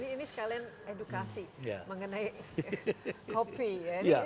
ini sekalian edukasi mengenai kopi ya